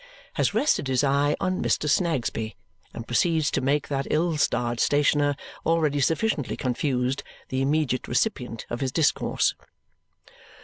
has rested his eye on Mr. Snagsby and proceeds to make that ill starred stationer, already sufficiently confused, the immediate recipient of his discourse.